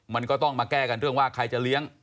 มันก็ต้องมาแก้กันเรื่องว่าใครจะเลี้ยง